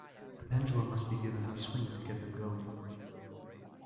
The pendulum must be given a swing to get them going.